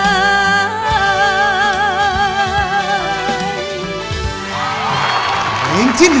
แฟนของเราสิไม่มาหาหลอกให้รอคอยท่าจูบแล้วลาไปเลยนะ